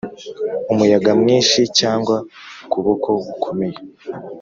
umuyaga mwinshi cyangwa ukuboko gukomeye?